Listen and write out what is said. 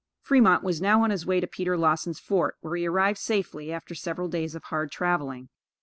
Fremont was now on his way to Peter Lawson's Fort, where he arrived safely, after several days of hard traveling.